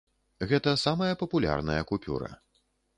Гэта самая папулярная купюра.